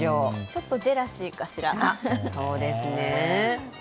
ちょっとジェラシーかしら？